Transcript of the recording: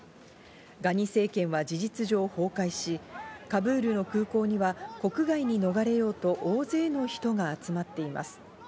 ガニ政権は事実上崩壊し、カブールの空港には国外に逃れようと大勢の人が集まっています。